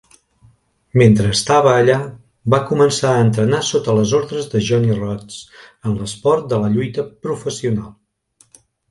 Mentre estava allà, va començar a entrenar sota les ordres de Johnny Rodz en l'esport de la lluita professional.